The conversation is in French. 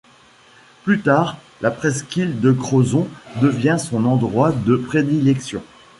Plus tard, la presqu'île de Crozon devient son endroit de prédilection.